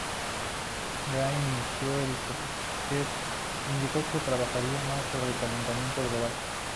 Gray indicó que trabajaría más sobre calentamiento global.